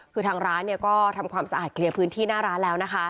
คือทางร้านก็ทำความสะอาดเคลียร์พื้นที่หน้าร้านแล้วนะคะ